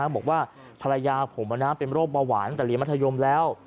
บอกว่าภรรยาผมเป็นโรคเบาหวานตั้งแต่เรียนมัธยมแล้ว